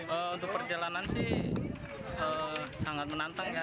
untuk perjalanan sih sangat menantang ya